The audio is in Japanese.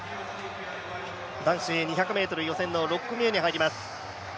男子２００ｍ予選の６組目に入ります。